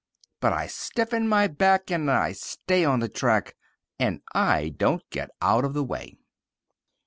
But I stiffen my back, and I stay on the track, And I don't get out of the way.